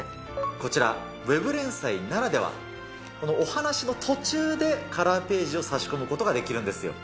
こちら、ウェブ連載ならでは、このお話の途中で、カラーページを差し込むことができるんですよ。